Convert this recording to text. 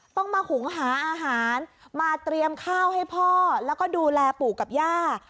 ต้องมาหุงหาอาหารมาเตรียมข้าวให้พ่อแล้วก็ดูแลปู่กับย่า